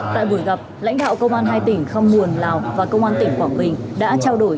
tại buổi gặp lãnh đạo công an hai tỉnh khăm muồn lào và công an tỉnh quảng bình đã trao đổi